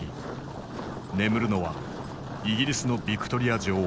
眠るのはイギリスのヴィクトリア女王。